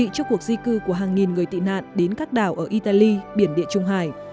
cho cuộc di cư của hàng nghìn người tị nạn đến các đảo ở italy biển địa trung hải